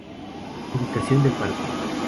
Ubicación del parque